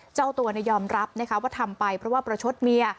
เจ้าตัวยอมรับนะคะว่าทำไปเพราะว่าประชดเมีย